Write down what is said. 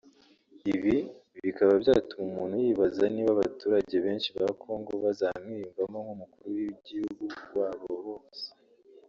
Ibi bikaba byatuma umuntu yibaza niba abaturage benshi ba Congo bazamwiyumvamo nk’umukuru w’igihugu wabo bose